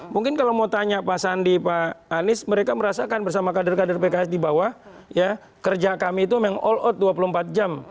mungkin kalau mau tanya pak sandi pak anies mereka merasakan bersama kader kader pks di bawah ya kerja kami itu memang all out dua puluh empat jam